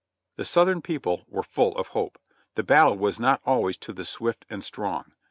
The Southern people were full of hope, the battle was not always to the swift and strong.